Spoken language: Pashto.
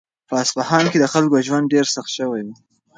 په اصفهان کې د خلکو ژوند ډېر سخت شوی و.